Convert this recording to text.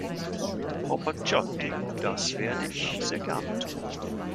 Frau Paciotti, das werde ich sehr gern tun.